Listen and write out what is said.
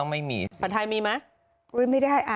ไม่ได้เ